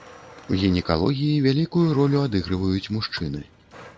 У гінекалогіі вялікую ролю адыгрываюць мужчыны.